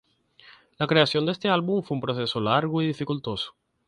La creación de este álbum fue un proceso largo y dificultoso.